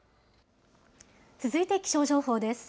続いて気象情報です。